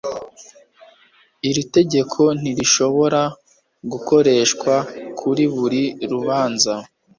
Iri tegeko ntirishobora gukoreshwa kuri buri rubanza